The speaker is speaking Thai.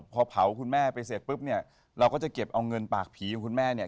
พอเผาคุณแม่ไปเสร็จปุ๊บเนี่ยเราก็จะเก็บเอาเงินปากผีของคุณแม่เนี่ย